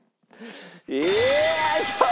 よいしょ！